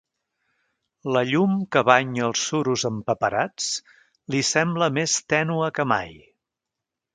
La llum que banya els suros empaperats li sembla més tènue que mai.